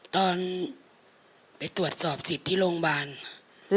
ตอนไปตรวจสอบสิทธิ์ที่โรงพยาบาล